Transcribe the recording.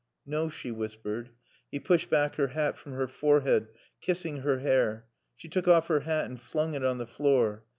"No," she whispered. He pushed back her hat from her forehead, kissing her hair. She took off her hat and flung it on the floor.